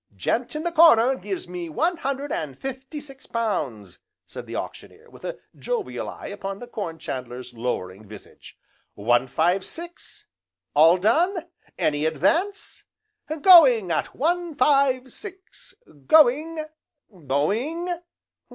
"Gent in the corner gives me one hundred and fifty six pounds," said the Auctioneer, with a jovial eye upon the Corn chandler's lowering visage, "one five six, all done? any advance? Going at one five six, going! going!